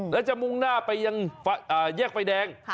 แล้วจะมุ่งหน้าไปยังแยกไฟแดง